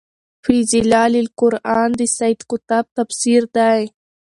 في ظِلال القُرآن د سيد قُطب تفسير دی